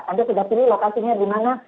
anda sudah pilih lokasinya di mana